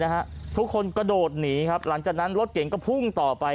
ทุกคนกระโดดหนีครับหลังจากนั้นรถเก่งก็พุ่งต่อไป